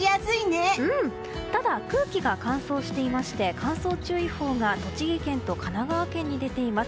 ただ、空気が乾燥していまして乾燥注意報が栃木県と神奈川県に出ています。